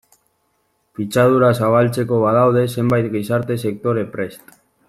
Pitzadura zabaltzeko badaude zenbait gizarte sektore prest.